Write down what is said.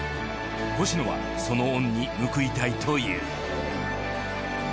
星野はその恩に報いたいという。